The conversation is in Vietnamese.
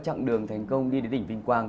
chặng đường thành công đi đến đỉnh vinh quang